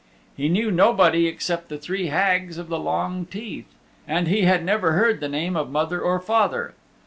He knew nobody except the three Hags of the Long Teeth, and he had never heard the name of mother or father.